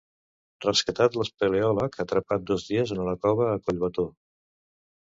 Rescatat l'espeleòleg atrapat dos dies en una cova a Collbató.